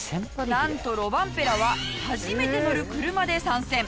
なんとロバンペラは初めて乗る車で参戦。